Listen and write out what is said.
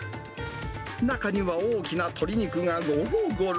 中には大きな鶏肉がごろごろ。